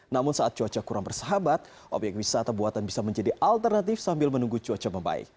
namun saat cuaca kurang bersahabat obyek wisata buatan bisa menjadi alternatif sambil menunggu cuaca membaik